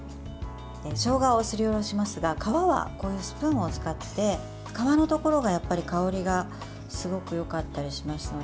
しょうがをすりおろしますが皮は、こういうスプーンを使って皮のところが、やっぱり香りがすごくよかったりしますので。